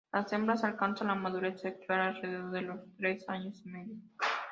Las hembras alcanzan la madurez sexual alrededor de los tres años y medio.